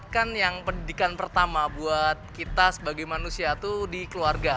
kan yang pendidikan pertama buat kita sebagai manusia itu di keluarga